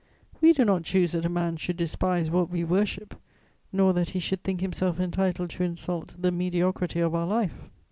We do not choose that a man should despise what we worship, nor that he should think himself entitled to insult the mediocrity of our life.